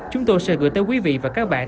chúng tôi sẽ gửi tới quý vị và các bạn